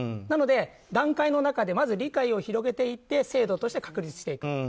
なので、段階の中で理解を広げて制度として確立していく。